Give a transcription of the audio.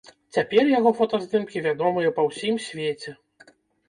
Цяпер яго фотаздымкі вядомыя па ўсім свеце.